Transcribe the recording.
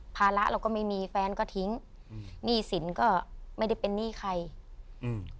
ภาระเราก็ไม่มีแฟนก็ทิ้งอืมหนี้สินก็ไม่ได้เป็นหนี้ใครอืม